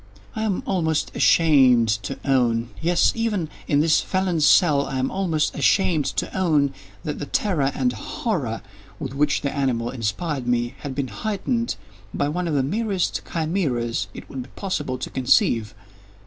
I am almost ashamed to own—yes, even in this felon's cell, I am almost ashamed to own—that the terror and horror with which the animal inspired me, had been heightened by one of the merest chimaeras it would be possible to conceive.